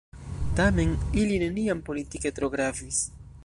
Tamen ili neniam politike tro gravis.